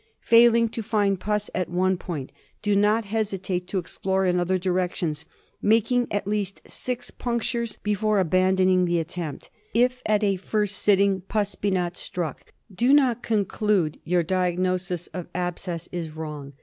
Failing to find pus at one point, do not hesitate to explore in other directions, making at least six punc tures before abandoning the attempt. If at a first sitting pus be not struck, do not conclude your diagnosis of abscess is wrong.